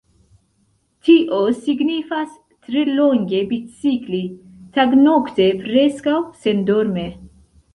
Tio signifas tre longe bicikli, tagnokte, preskaŭ sendorme.